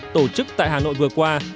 tổ chức tại hà nội vừa qua